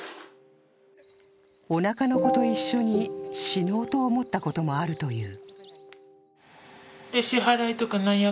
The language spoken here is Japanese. おなかの子と一緒に死のうと思ったこともあるという。